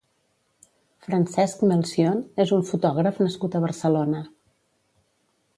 Francesc Melcion és un fotògraf nascut a Barcelona.